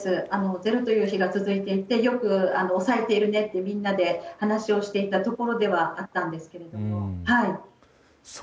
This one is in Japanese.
ゼロという日が続いていてよく抑えているねってみんなで話をしていたところではあったんですが。